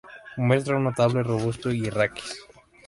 Muestra un notable y robusto raquis.